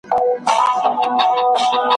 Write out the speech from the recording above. د پردي ملا په خوله به خلک نه سي غولېدلای ,